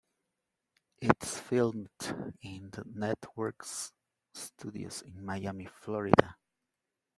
It is filmed in the network's studios in Miami, Florida.